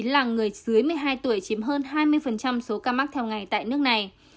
là người dưới một mươi hai tuổi chiếm hơn hai mươi số ca mắc theo ngày tại nước này